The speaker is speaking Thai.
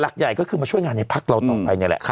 ก็คือมาช่วยงานในพักเราต่อไปนี่แหละ